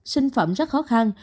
sinh phẩm rất khó khăn